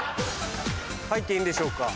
入っていいんでしょうか。